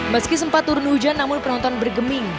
meski sempat turun hujan namun penonton bergeming